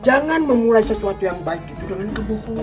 jangan memulai sesuatu yang baik itu dengan kebupuan